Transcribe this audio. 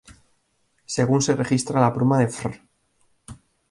Según se registra la pluma de Fr.